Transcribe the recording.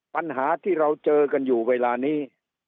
ปัญหาที่เราเจอกันอยู่เวลานี้